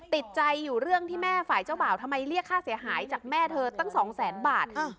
ติดใจอยู่เรื่องที่แม่ฝ่ายเจ้าบ่าวทำไมเรียกค่าเสียหายจากแม่เธอตั้งสองแสนบาท